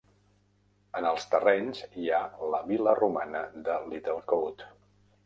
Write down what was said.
En els terrenys hi ha la vil·la romana de Littlecote.